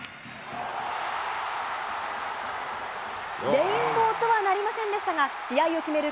レインボーとはなりませんでしたが、試合を決める